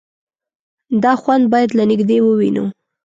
_دا خوند بايد له نږدې ووينو.